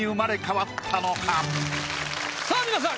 さぁ皆さん